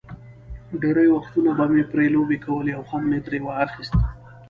ډېری وختونه به مې پرې لوبې کولې او خوند مې ترې اخیست.